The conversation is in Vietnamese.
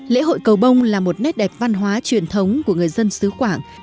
lễ hội cầu bông là một nét đẹp văn hóa truyền thống của người dân xứ quảng